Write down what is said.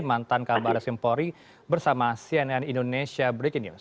mantan kabar skempori bersama cnn indonesia breaking news